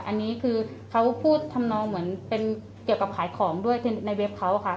อันนี้คือเขาพูดทำนองเหมือนเป็นเกี่ยวกับขายของด้วยในเว็บเขาค่ะ